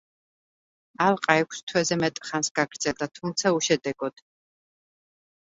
ალყა ექვს თვეზე მეტ ხანს გაგრძელდა, თუმცა უშედეგოდ.